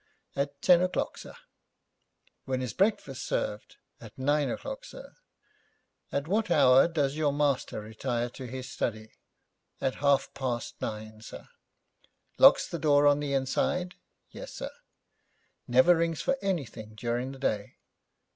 'At ten o'clock, sir.' 'When is breakfast served?' 'At nine o'clock, sir.' 'At what hour does your master retire to his study?' 'At half past nine, sir.' 'Locks the door on the inside?' 'Yes, sir.' 'Never rings for anything during the day?'